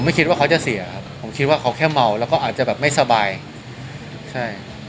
คิดว่าเขาจะเสียครับผมคิดว่าเขาแค่เมาแล้วก็อาจจะแบบไม่สบายใช่